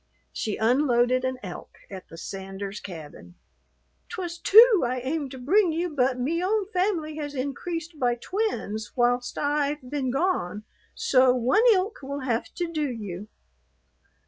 She unloaded an elk at the Sanders cabin. "'Twas two I aimed to bring you, but me own family has increased by twins whilst I've been gone, so one ilk will have to do you."